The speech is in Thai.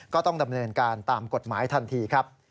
ก็ต้องดำเนินการตามกฎหมายทันทีครับ